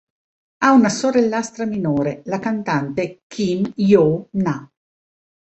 Ha una sorellastra minore, la cantante Kim Joo-na.